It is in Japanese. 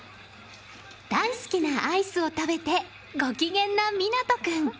大好きなアイスを食べてご機嫌な湊斗君。